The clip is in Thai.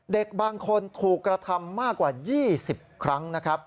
เด็กบางคนถูกกระทำมากกว่า๒๐ครั้งนะครับ